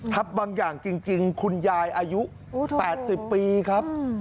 บางอย่างจริงคุณยายอายุ๘๐ปีครับ